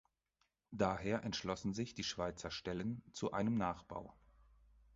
Daher entschlossen sich die Schweizer Stellen zu einem Nachbau.